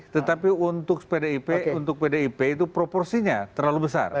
tetapi untuk pdip itu proporsinya terlalu besar